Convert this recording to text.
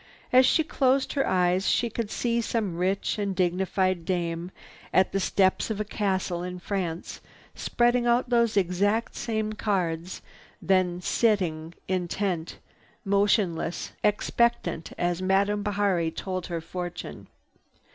As she closed her eyes she could see some rich and dignified dame, at the steps of a castle in France, spread out those same cards, then sit intent, motionless, expectant as Madame Bihari told her fortune.